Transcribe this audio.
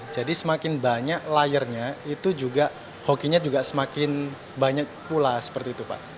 jadi semakin banyak layarnya hokinya juga semakin banyak pula seperti itu pak